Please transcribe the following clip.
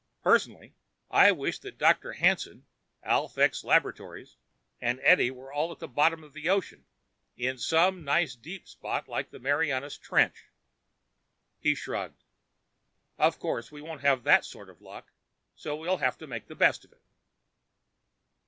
Personally, I wish that Dr. Hanson, Alphax Laboratories, and Edie were all at the bottom of the ocean in some nice deep spot like the Mariannas Trench." He shrugged. "Of course, we won't have that sort of luck, so we'll have to make the best of it."